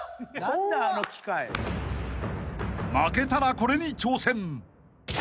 ［負けたらこれに挑戦］